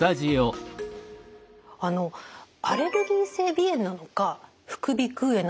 アレルギー性鼻炎なのか副鼻腔炎なのか